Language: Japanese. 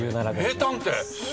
名探偵！